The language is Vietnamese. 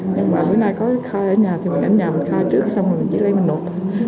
nhưng mà bữa nay có khai ở nhà thì mình ở nhà mình khai trước xong rồi mình chỉ lấy mình nộp